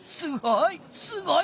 すごい！